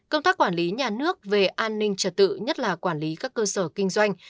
công tác quản lý nhà nước về an ninh trật tự nhất là quản lý các cơ sở kinh doanh